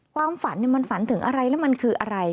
ความฝันมันฝันถึงอะไรแล้วมันคืออะไร